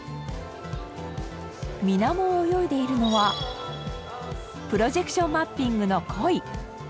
水面を泳いでいるのはプロジェクションマッピングの鯉。